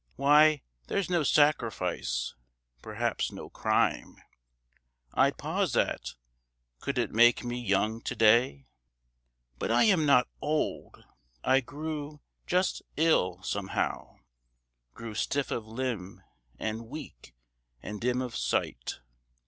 Why, there's no sacrifice (perhaps no crime) I'd pause at, could it make me young to day. "But I'm not old! I grew just ill, somehow; Grew stiff of limb, and weak, and dim of sight.